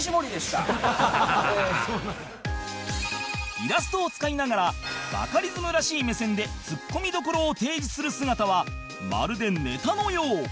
イラストを使いながらバカリズムらしい目線でツッコミどころを提示する姿はまるでネタのよう